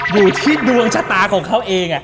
อยู่ที่ดวงชะตาของเขาเอง